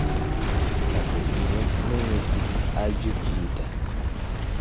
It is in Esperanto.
La premio ne estis aljuĝita.